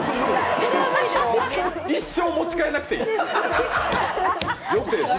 一生持ち替えなくていい？